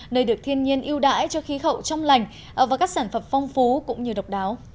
nơi được thiên nhiên yêu đãi cho khí hậu trong lành và các sản phẩm phong phú cũng như độc đáo